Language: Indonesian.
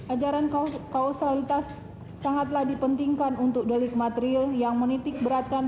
ajaran kausalitas sangatlah dipentingkan untuk delik material yang menitik beratkan